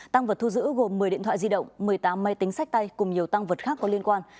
tăng vật thu giữ gồm một mươi điện thoại di động một mươi tám máy tính sách tay cùng nhiều tăng vật khác có liên quan